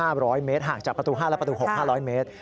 ห่างจากนั้นประมาณ๕๐๐เมตรห่างจากประตู๕และประตู๖๕๐๐เมตร